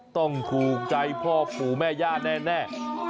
ต้องทูลใจพ่อผู้แม่ญาติแน่